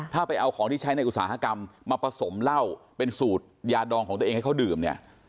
ถ้าไปเอาของที่ใช้ในอุตสาหกรรมมาผสมเหล้าเป็นสูตรยาดองของตัวเองให้เขาดื่มเนี่ย